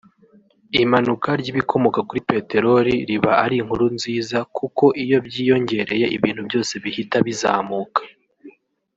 Imanuka ry’ibikomoka kuri peteroli riba ari inkuru nziza kuko iyo byiyongereye ibintu byose bihita bizamuka